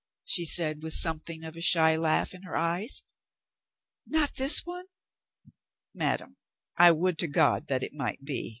she said with something of a shy laugh in her eyes. "Not this one?" "Madame, I would to God that it might be!"